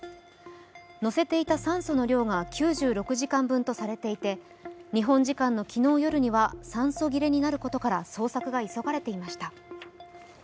載せていた酸素の量が９６時間分とされていて、日本時間の昨日夜には酸素切れになることから捜索が急がれていました。